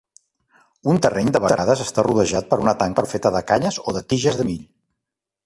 Un terreny de vegades està rodejat per una tanca feta de canyes o de tiges de mill.